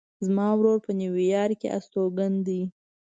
زما ورور په نیویارک کې استوګن ده